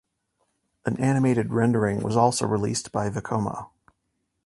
An animated rendering was also released by Vekoma.